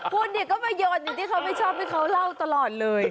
คุณเนี่ยก็มาโยนอย่างที่เขาไม่ชอบให้เขาเล่าตลอดเลย